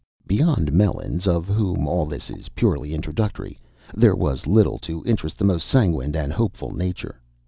Beyond Melons, of whom all this is purely introductory, there was little to interest the most sanguine and hopeful nature.